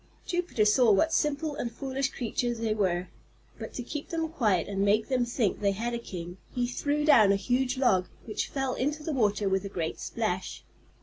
Jupiter saw what simple and foolish creatures they were, but to keep them quiet and make them think they had a king he threw down a huge log, which fell into the water with a great splash.